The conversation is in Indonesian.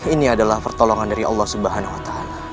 ini adalah pertolongan dari allah swt